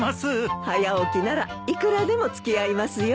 早起きならいくらでも付き合いますよ。